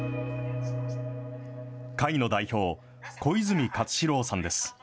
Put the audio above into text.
会の代表、小泉勝志郎さんです。